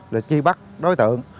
và chi bắt đối tượng